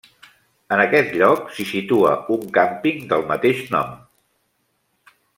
En aquest lloc s'hi situa un càmping del mateix nom.